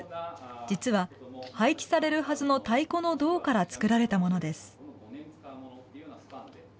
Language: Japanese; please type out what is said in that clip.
実は廃棄されるはずの太鼓の胴から作られたものです。